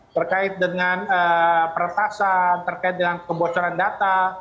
terkait dengan peretasan terkait dengan kebocoran data